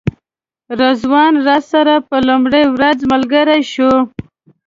رضوان راسره په لومړۍ ورځ ملګری شو.